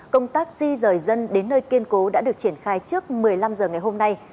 công tác di rời dân đến nơi kiên cố đã được triển khai trước một mươi năm h ngày hôm nay